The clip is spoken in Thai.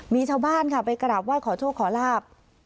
มีชาวบ้านไปกราบว่าขอโชคขอราบ